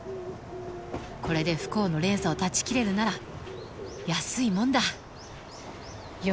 これで不幸の連鎖を断ち切れるなら安いもんだよ